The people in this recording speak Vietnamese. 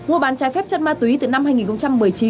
mua bán trái phép chất ma túy từ năm hai nghìn một mươi chín